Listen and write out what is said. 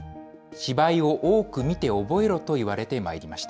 芝居を多く見て覚えろと言われてまいりました。